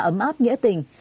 ấm áp nghĩa tình